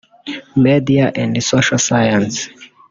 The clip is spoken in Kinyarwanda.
Media and Social Science)